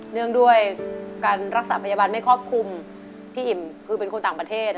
เนื่องด้วยการรักษาพยาบาลไม่ครอบคลุมพี่อิ่มคือเป็นคนต่างประเทศ